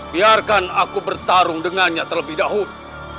biarkan aku bertarung dengannya terlebih dahulu